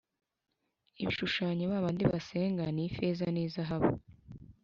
Ibishushanyo ba bandi basenga ni ifeza n izahabu